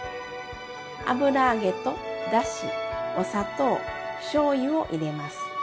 油揚げとだしお砂糖しょうゆを入れます。